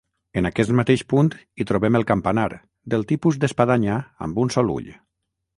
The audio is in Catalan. En aquest mateix punt hi trobem el campanar, del tipus d'espadanya amb un sol ull.